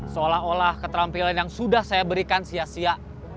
seolah olah keterampilan yang sudah saya berikan sia sia